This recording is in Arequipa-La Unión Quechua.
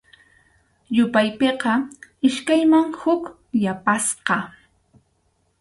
Yupaypiqa iskayman huk yapasqa.